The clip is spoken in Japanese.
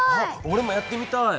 おれもやってみたい。